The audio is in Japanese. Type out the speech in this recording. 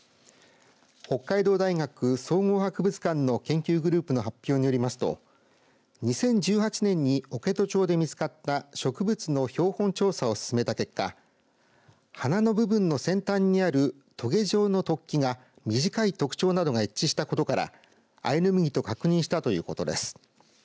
北海道大学総合博物館の研究グループの発表によりますと２０１８年に置戸町で見つかった植物の標本調査を進めた結果花の部分の先端にあるとげ状の突起が短い特徴などが一致したことからアイヌムギと確認したということです。